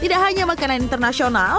tidak hanya makanan internasional